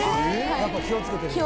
やっぱ気をつけてるんだ。